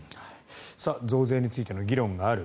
増税についての議論がある。